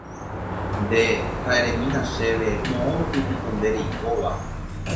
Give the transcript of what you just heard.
Nde, ha eremína chéve moõrupípiko nde reikóva